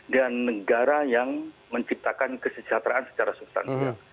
dan negara yang menciptakan kesejahteraan secara substansial